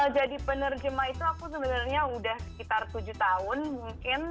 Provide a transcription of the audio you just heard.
jadi penerjemah itu aku sebenarnya sudah sekitar tujuh tahun mungkin